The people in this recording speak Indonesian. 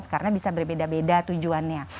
karena bisa berbeda beda tujuannya